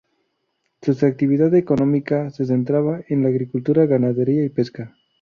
Su actividad económica se centraba en la agricultura, ganadería y pesca.